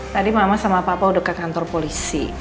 tadi mama sama papa udah ke kantor polisi